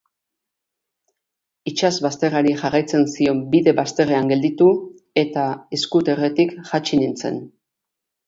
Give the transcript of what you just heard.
Itsasbazterrari jarraitzen zion bide bazterrean gelditu, eta scooterretik jaitsi nintzen.